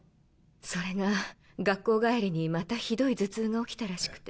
それが学校帰りにまたひどい頭痛が起きたらしくて。